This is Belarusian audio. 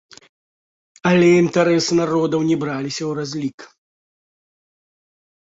Але інтарэсы народаў не браліся ў разлік.